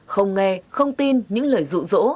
không nghe không tin những lời dụ dỗ